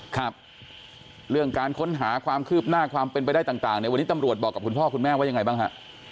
ครับเรื่องการค้นหาความคืบหน้าความเป็นไปได้ต่างในวันนี้ตำรวจบอกกับคุณพ่อคุณแม่ว่ายังไงบ้างฮะ